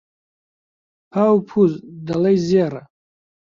پاو و پووز، دەڵێی زێڕە